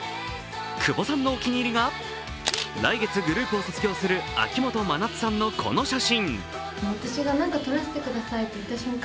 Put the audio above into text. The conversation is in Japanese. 久保さんのお気に入りが来月グループを卒業する秋元真夏さんのこの写真。